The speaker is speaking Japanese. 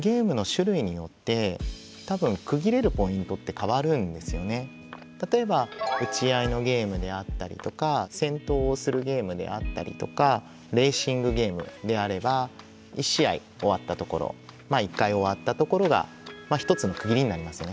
関さんは例えば撃ち合いのゲームであったりとか戦闘をするゲームであったりとかレーシングゲームであれば１回終わったところが一つの区切りになりますね。